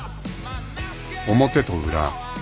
［表と裏］